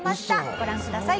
ご覧ください。